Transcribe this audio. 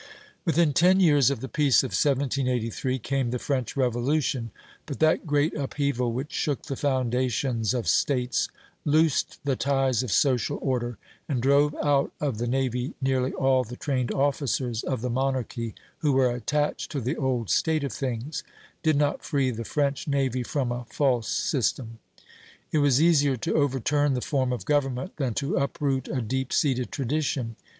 " Within ten years of the peace of 1783 came the French Revolution; but that great upheaval which shook the foundations of States, loosed the ties of social order, and drove out of the navy nearly all the trained officers of the monarchy who were attached to the old state of things, did not free the French navy from a false system. It was easier to overturn the form of government than to uproot a deep seated tradition.